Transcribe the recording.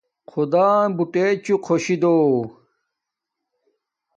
خداں بوٹے چُو خوشی دو